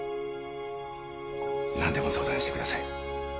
何でも相談してください。